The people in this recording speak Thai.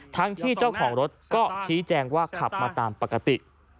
ทั้งที่เจ้าของรถก็ชี้แจงว่าขับมาตามปกติ